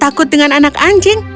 takut dengan anak anjing